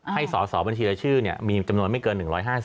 ให้สอบัญชีและชื่อเนี่ยมีจำนวนไม่เกิน๑๕๐